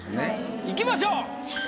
いきましょう。